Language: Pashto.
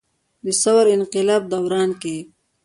د ثور انقلاب دوران کښې